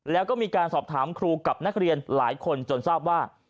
แล้วก็มีการสอบถามครูกับนักเรียนหลายคนจนทราบว่า